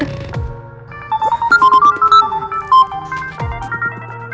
tidak ada yang bisa dihentikan